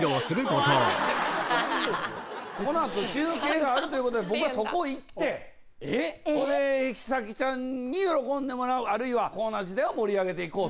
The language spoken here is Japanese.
この後中継があるということで僕はそこ行ってひさきちゃんに喜んでもらうあるいはコーナーを盛り上げよう。